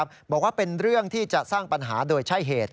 บอกว่าเป็นเรื่องที่จะสร้างปัญหาโดยใช่เหตุ